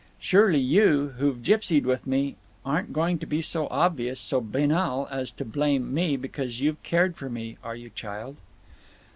Surely you, who've gipsied with me, aren't going to be so obvious, so banal, as to blame me because you've cared for me, are you, child?"